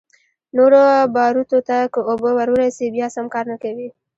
نورو باروتو ته که اوبه ورورسي بيا سم کار نه کوي.